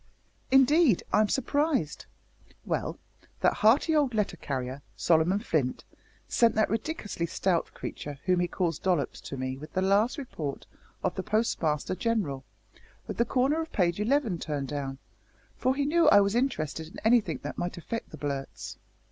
"Indeed! I'm surprised. Well, that hearty old letter carrier, Solomon Flint, sent that ridiculously stout creature whom he calls Dollops to me with the last Report of the Postmaster General, with the corner of page eleven turned down, for he knew I was interested in anything that might affect the Blurts.